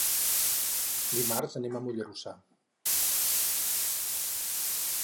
Dimarts anem a Mollerussa.